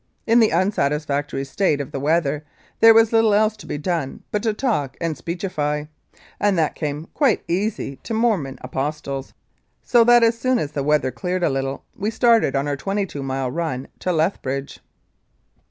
In the unsatisfactory state of the weather there was little else to be done but to talk and speechify, and that came quite easy to Mormon apostles, so that as soon as the weather cleared a little we started on our twenty two mile run to Lethbridge.